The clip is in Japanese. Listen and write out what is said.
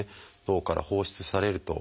脳から放出されると。